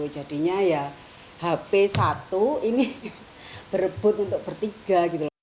jadi ya hp satu ini berebut untuk bertiga